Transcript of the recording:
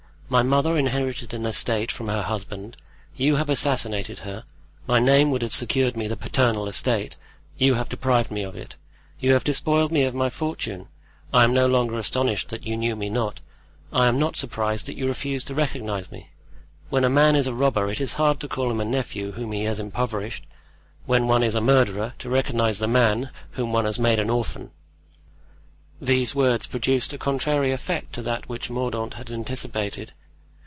My mother inherited an estate from her husband, you have assassinated her; my name would have secured me the paternal estate, you have deprived me of it; you have despoiled me of my fortune. I am no longer astonished that you knew me not. I am not surprised that you refused to recognize me. When a man is a robber it is hard to call him nephew whom he has impoverished; when one is a murderer, to recognize the man whom one has made an orphan." These words produced a contrary effect to that which Mordaunt had anticipated.